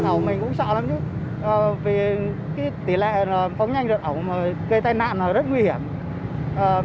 tôi hy vọng là sẽ giảm được tình trạng phóng nhanh vận hậu đua xe